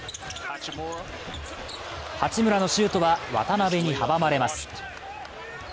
八村のシュートは渡邊に阻まれます。